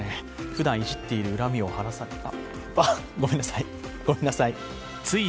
ふだんいじっている恨みをはらされたごめんなさい。